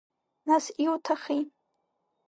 Нас иуҭахи?